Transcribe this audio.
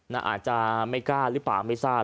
อาจจะไม่กล้าหรือเปล่าไม่ทราบ